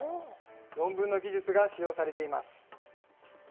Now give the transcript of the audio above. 論文の技術が使用されています。